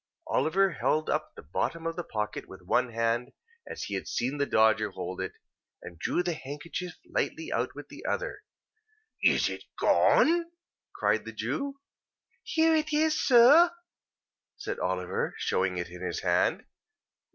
Oliver held up the bottom of the pocket with one hand, as he had seen the Dodger hold it, and drew the handkerchief lightly out of it with the other. "Is it gone?" cried the Jew. "Here it is, sir," said Oliver, showing it in his hand.